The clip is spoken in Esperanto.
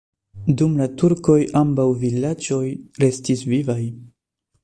Dum la turkoj ambaŭ vilaĝoj restis vivaj.